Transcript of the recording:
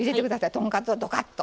豚カツをどかっと。